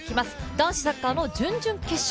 男子サッカーの準々決勝。